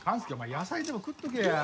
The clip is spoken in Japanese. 野菜でも食っとけや。